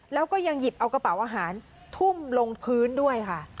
แล้วก็ยังหยิบเอากระเป๋าอาหารทุ่มลงพื้นด้วยค่ะ